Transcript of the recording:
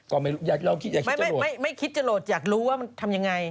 ก็ไม่รู้อยากคิดจะลดไม่คิดจะลดอยากรู้ว่าทำอย่างไร